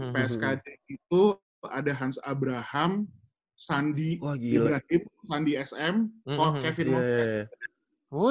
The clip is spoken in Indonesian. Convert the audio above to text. pskd itu ada hans abraham sandi ibratif sandi sm kevin move